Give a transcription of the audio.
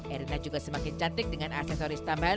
erina juga semakin cantik dengan aksesoris tambahan